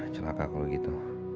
celaka kalau gitu